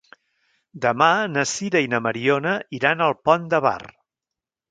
Demà na Sira i na Mariona iran al Pont de Bar.